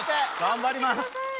頑張ります！